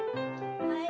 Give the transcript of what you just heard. はい！